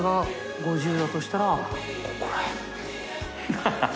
ハハハ